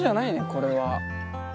これは。